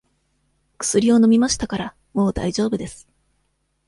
くすりを飲みましたから、もうだいじょうぶです。